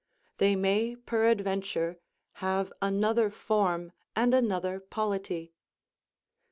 They may peradventure have another form and another polity.